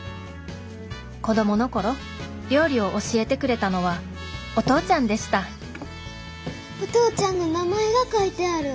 子供の頃料理を教えてくれたのはお父ちゃんでしたお父ちゃんの名前が書いてある。